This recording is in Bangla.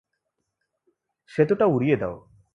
সেতুটা উড়িয়ে দাও!